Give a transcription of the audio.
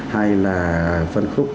hay là phân khúc nền